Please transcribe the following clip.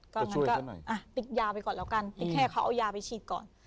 ก็ช่วยกันหน่อยอ่ะติ๊กยาไปก่อนแล้วกันติ๊กแค่เขาเอายาไปฉีดก่อน